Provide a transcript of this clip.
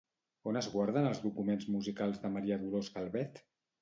On es guarden els documents musicals de Maria Dolors Calvet?